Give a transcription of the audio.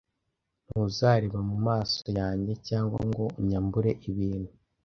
Ntuzareba mu maso yanjye, cyangwa ngo unyambure ibintu,